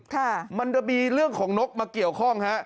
ค่ะมันจะมีเรื่องของนกมาเกี่ยวข้องฮะ